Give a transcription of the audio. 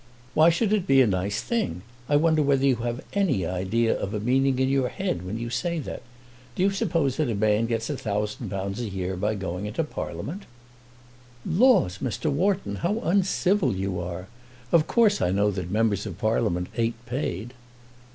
"Why should it be a nice thing? I wonder whether you have any idea of a meaning in your head when you say that. Do you suppose that a man gets £1000 a year by going into Parliament?" "Laws, Mr. Wharton; how uncivil you are! Of course I know that members of Parliament ain't paid."